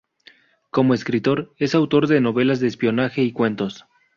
Como escritor, es autor de novelas de espionaje y cuentos.